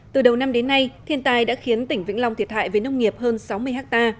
từ đầu năm đến nay thiên tai đã khiến tỉnh vĩnh long thiệt hại với nông nghiệp hơn sáu mươi ha